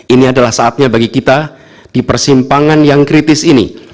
ini adalah saatnya bagi kita di persimpangan yang kritis ini